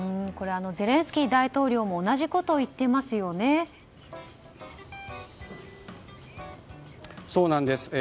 ゼレンスキー大統領も同じことを言っていますよね。